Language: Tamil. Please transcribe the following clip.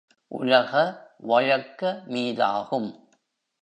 உலக வழக்க மீதாகும்!